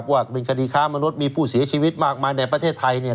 ว่าเป็นคดีค้ามนุษย์มีผู้เสียชีวิตมากมายในประเทศไทยเนี่ย